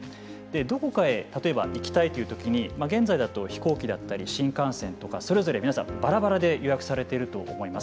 どこかへ例えば行きたいというときに現在だと飛行機だったり新幹線とかそれぞれ皆さんばらばらで予約されていると思います。